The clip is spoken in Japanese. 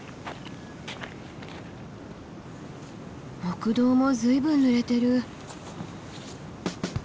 木道も随分ぬれてる！